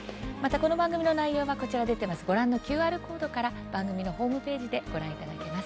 番組の内容はご覧のＱＲコードから番組のホームページでご覧いただけます。